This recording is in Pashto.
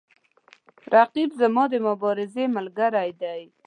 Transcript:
رقیب زما د مبارزې ملګری دی